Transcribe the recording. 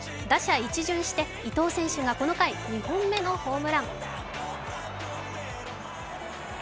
打者一巡して伊藤選手がこの回２本目のホームラン。